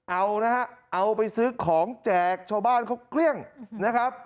เอานะฮะเอาไปซื้อของแจกชาวบ้านเขาเกลี้ยงนะครับ